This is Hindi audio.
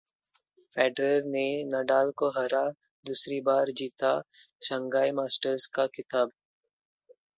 फेडरर ने नडाल को हरा दूसरी बार जीता शंघाई मास्टर्स का खिताब